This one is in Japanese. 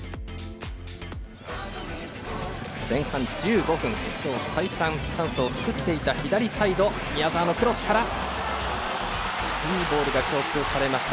前半１５分今日再三、チャンスを作っていた左サイド宮澤のクロスからいいボールが供給されました。